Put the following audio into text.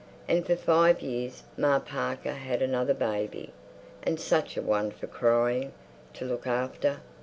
And for five years Ma Parker had another baby—and such a one for crying!—to look after.